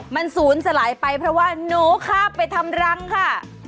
มันศูนย์สลายไปเพราะว่าหนูข้าบไปทำรังค่ะ